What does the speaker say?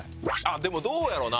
でもどうやろな。